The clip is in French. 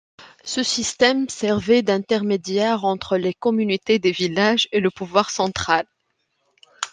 Ce système servait d’intermédiaire entre les communautés des villages et le pouvoir central.